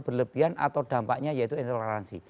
berlebihan atau dampaknya yaitu intoleransi